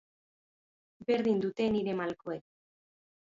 Berdin dute nire malkoek.